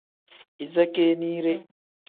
Iza keeniire.